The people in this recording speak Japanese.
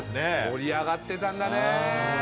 盛り上がってたんだねえ。